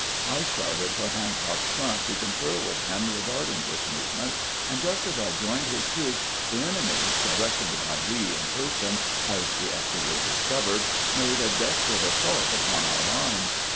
I started for Hancock's front to confer with him regarding this movement, and just as I joined his troops, the enemy, directed by Lee in person, as we afterward discovered, made a desperate assault upon our line.